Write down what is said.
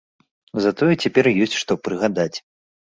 Затое цяпер ёсць, што прыгадаць.